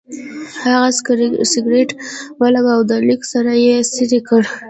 هغه سګرټ ولګاوه او د لیک سر یې څېرې کړ.